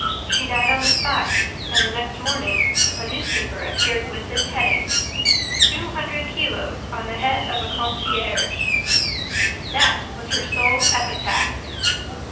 She died on the spot and, the next morning, a newspaper appeared with this heading: TWO HUNDRED KILOS ON THE HEAD OF A CONCIERGE That was her sole epitaph!